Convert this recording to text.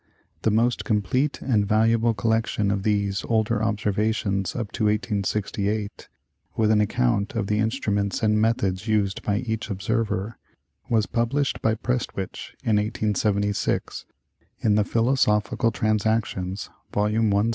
The most complete and valuable collection of these older observations up to 1868, with an account of the instruments and methods used by each observer, was published by Prestwich, in 1876, in the Philo sophical Transactions, Vol, 165.